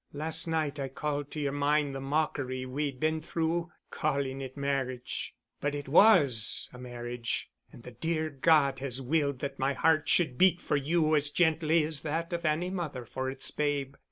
Last night I called to your mind the mockery we'd been through, calling it marriage. But it was a marriage, and the dear God has willed that my heart should beat for you as gently as that of any mother for its babe.